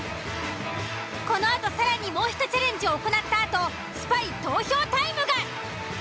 このあと更にもうひとチャレンジ行ったあとスパイ投票タイムが。